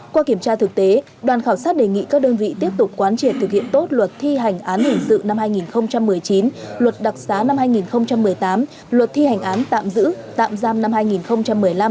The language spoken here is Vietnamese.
qua kiểm tra thực tế đoàn khảo sát đề nghị các đơn vị tiếp tục quán triệt thực hiện tốt luật thi hành án hình sự năm hai nghìn một mươi chín luật đặc xá năm hai nghìn một mươi tám luật thi hành án tạm giữ tạm giam năm hai nghìn một mươi năm